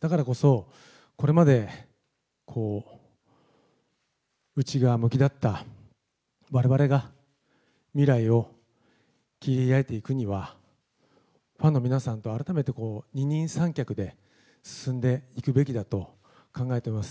だからこそ、これまで内側向きだったわれわれが未来を切り開いていくには、ファンの皆さんと改めて二人三脚で進んでいくべきだと考えてます。